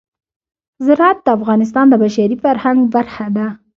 زراعت د افغانستان د بشري فرهنګ برخه ده.